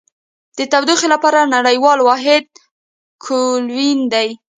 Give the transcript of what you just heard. د تودوخې لپاره نړیوال واحد کلوین دی.